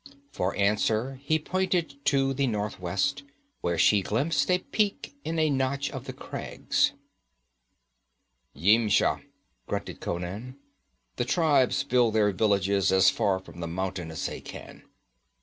For answer he pointed to the northwest, where she glimpsed a peak in a notch of the crags. 'Yimsha,' grunted Conan. 'The tribes build their villages as far from the mountain as they can.'